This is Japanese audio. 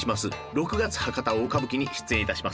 『六月博多座大歌舞伎』に出演致します。